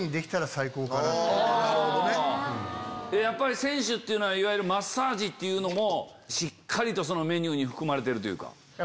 やっぱり選手っていうのはいわゆるマッサージもしっかりとメニューに含まれてるというか。